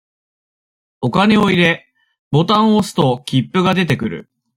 お金を入れ、ボタンを押すと、切符が出てくる。